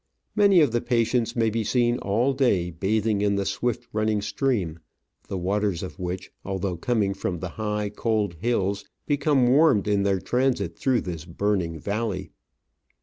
Many of the patients may be seen all day bathing in the swift running stream, the waters of which, although coming from the high, cold hills, become warmed in their transit through this burning valley.